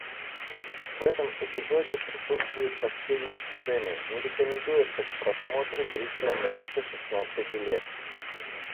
В этом эпизоде присутствуют постельные сцены, не рекомендуется к просмотру зрителям младше шестнадцати лет.